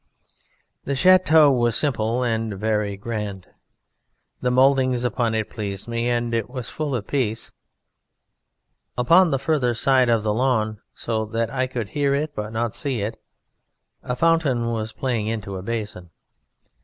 "The château was simple and very grand. The mouldings upon it pleased me, and it was full of peace. Upon the further side of the lawn, so that I could hear it but not see it, a fountain was playing into a basin.